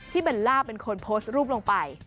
เบลล่าเป็นคนโพสต์รูปลงไป